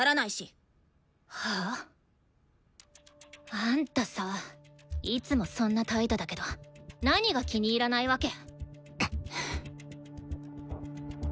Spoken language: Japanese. は？あんたさいつもそんな態度だけど何が気に入らないわけ？